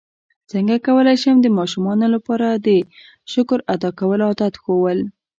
څنګه کولی شم د ماشومانو لپاره د شکر ادا کولو عادت ښوول